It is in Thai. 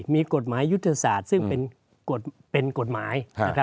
มีกฎหมายยุทธศาสตร์ซึ่งเป็นกฎหมาย